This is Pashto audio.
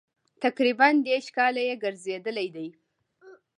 تقریبا دېرش کاله یې ګرځېدلي دي.